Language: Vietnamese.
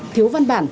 thiếu văn bản